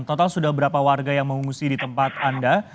total sudah berapa warga yang mengungsi di tempat anda